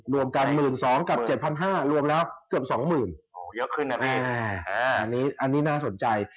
รวมกัน๑๒๐๐๐กับ๗๕๐๐รวมแล้วเกือบ๒๐๐๐๐อันนี้น่าสนใจ